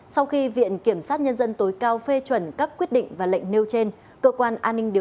xảy ra mâu thuẫn